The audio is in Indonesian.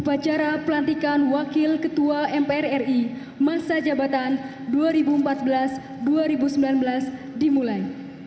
upacara pelantikan wakil ketua mpr ri masa jabatan dua ribu empat belas dua ribu sembilan belas dimulai